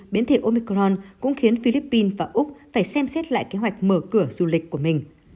biến thể omicron cũng khiến philippines và úc phải xem xét lại kế hoạch mở cửa du lịch của mình